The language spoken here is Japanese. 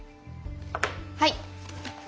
はい。